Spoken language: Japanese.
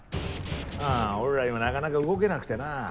ああ俺ら今なかなか動けなくてな。